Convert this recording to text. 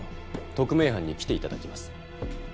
特命班に来て頂きます。